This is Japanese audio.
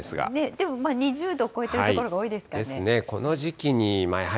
でも２０度を超えている所が多いですかね。